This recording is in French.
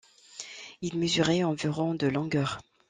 Il mesurait environ de longueur.